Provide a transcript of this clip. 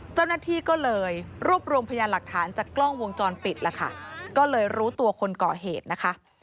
เจ้าหน้าที่ก็เลยรวบรวมพยานหลักฐานจากกล้องวงจรปิดแล้วค่ะก็เลยรู้ตัวคนก่อเหตุนะคะ